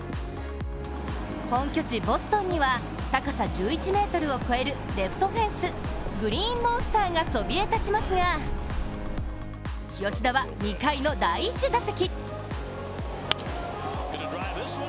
本拠地ボストンには、高さ１１ｍを超えるレフトフェンス、グリーンモンスターがそびえ立ちますが吉田は２回の第１打席。